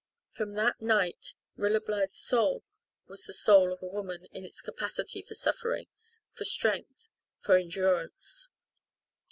From that night Rilla Blythe's soul was the soul of a woman in its capacity for suffering, for strength, for endurance.